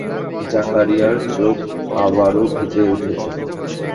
জাকারিয়ার চোখ আবারো ভিজে উঠছে।